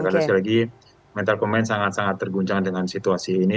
karena sekali lagi mental pemain sangat sangat terguncang dengan situasi ini